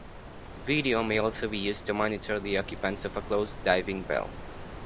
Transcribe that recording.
Video may also be used to monitor the occupants of a closed diving bell.